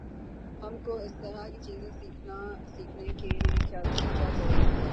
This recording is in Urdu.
ہم کو اس طرح کی چیزیں سیکھنے کی کیا ضرورت ہے؟